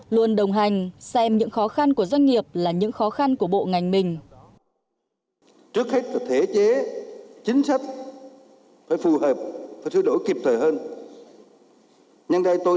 luôn đồng hành xem những khó khăn của doanh nghiệp là những khó khăn của bộ ngành mình